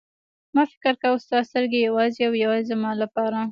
ما فکر کاوه ستا سترګې یوازې او یوازې زما لپاره.